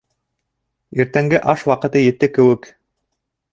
Иртәнге аш ваҡыты етте кеүек.